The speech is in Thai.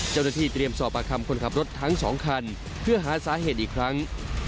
เจ้าหน้าที่เตรียมสอบประคำคนขับรถทั้ง๒คันเพื่อหาสาเหตุอีกครั้ง